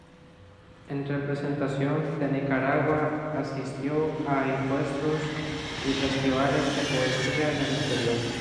En representación de Nicaragua asistió a encuentros y festivales de poesía en el exterior.